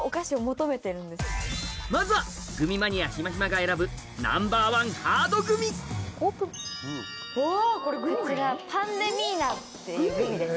まずはグミマニアひまひまが選ぶこちらパンデミーナっていうグミです。